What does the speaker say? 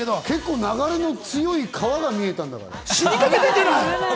結構、流れの強い川が見えたんだから。